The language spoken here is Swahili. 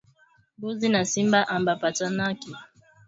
Mbuzi na simba aba patanaki